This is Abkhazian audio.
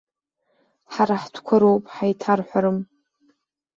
Ҳара ҳтәқәа роуп, ҳаиҭарҳәарым.